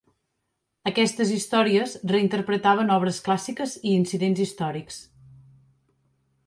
Aquestes històries reinterpretaven obres clàssiques i incidents històrics.